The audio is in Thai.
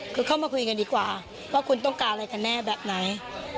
คือเข้ามาคุยกันดีกว่าว่าคุณต้องการอะไรกันแน่แบบไหน